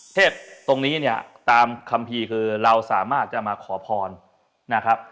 เทพตรงนี้เนี่ยตามคัมภีร์คือเราสามารถจะมาขอพรนะครับ